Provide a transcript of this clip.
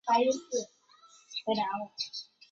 明太祖洪武二十四年改封云南。